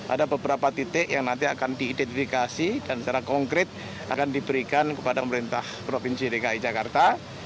ada beberapa titik yang nanti akan diidentifikasi dan secara konkret akan diberikan kepada pemerintah provinsi dki jakarta